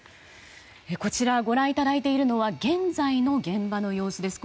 こちら、ご覧いただいているのは現在の現場の様子です。